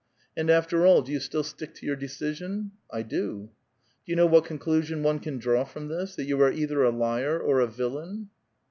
" And after all, do you still stick to your decision? "'^ I do." Do you know what conclusion one can draw from this? — that yon are either a liar or a villain."